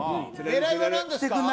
狙いはなんですか？